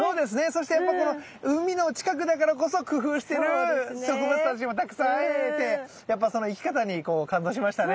そしてやっぱこの海の近くだからこそ工夫してる植物たちにもたくさん会えてやっぱその生き方に感動しましたね。